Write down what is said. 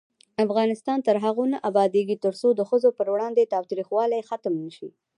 افغانستان تر هغو نه ابادیږي، ترڅو د ښځو پر وړاندې تاوتریخوالی ختم نشي.